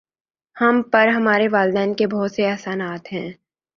ہم پر ہمارے والدین کے بہت سے احسانات ہیں